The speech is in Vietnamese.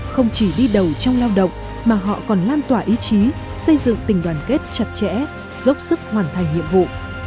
không chỉ đi đầu trong lao động mà họ còn lan tỏa ý chí xây dựng tình đoàn kết chặt chẽ dốc sức hoàn thành nhiệm vụ